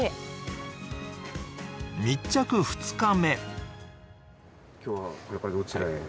密着２日目。